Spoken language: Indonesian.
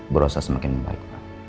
berosa semakin membaik